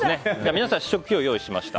皆さん、試食を用意しました。